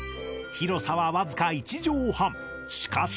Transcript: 広さはわずか１畳半しかし